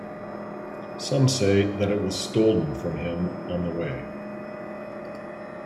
Some say that it was stolen from him on the way.